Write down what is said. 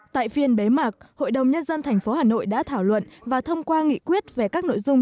tại phiên bế mạc hội đồng nhân dân tp hà nội đã thảo luận và thông qua nghị quyết về các nội dung